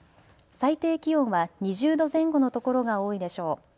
最低気温は２０度前後の所が多いでしょう。